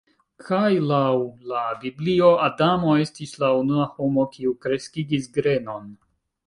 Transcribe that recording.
Kaj laŭ la Biblio Adamo estis la unua homo kiu kreskigis grenon.